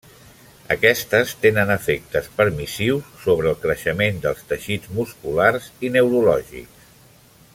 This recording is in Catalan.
Aquestes tenen efectes permissius sobre el creixement dels teixits musculars i neurològics.